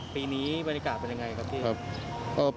ปีนี้บริการเป็นอย่างไรครับพี่